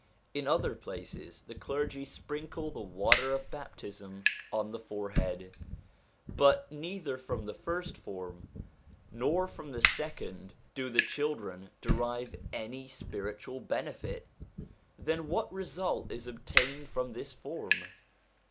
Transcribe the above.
In other places, the clergy sprinkle the water of baptism on the forehead. But neither from the h'rst form nor from the second do the children derive any spiritual benefit. Then what result is obtained from this form?